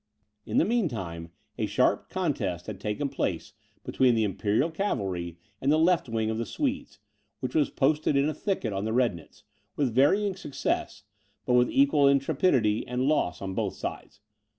In the mean time, a sharp contest had taken place between the imperial cavalry and the left wing of the Swedes, which was posted in a thicket on the Rednitz, with varying success, but with equal intrepidity and loss on both sides.